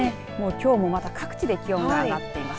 きょうも各地で気温が上がっています。